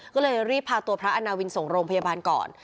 ก็เลยรีบพาตัวพระอาณาวินส่งโรงพยาบาลก่อน